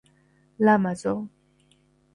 ლამაზო